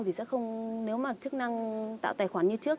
thì sẽ không nếu mà chức năng tạo tài khoản như trước